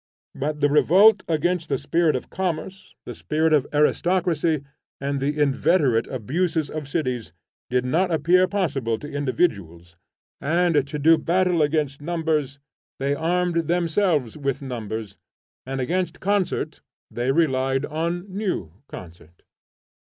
But the revolt against the spirit of commerce, the spirit of aristocracy, and the inveterate abuses of cities, did not appear possible to individuals; and to do battle against numbers they armed themselves with numbers, and against concert they relied on new concert.